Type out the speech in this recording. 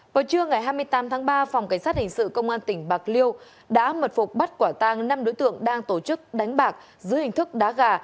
vào trưa ngày hai mươi tám tháng ba phòng cảnh sát hình sự công an tỉnh bạc liêu đã mật phục bắt quả tang năm đối tượng đang tổ chức đánh bạc dưới hình thức đá gà